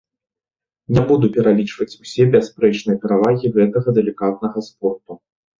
Не буду пералічваць усе бясспрэчныя перавагі гэтага далікатнага спорту.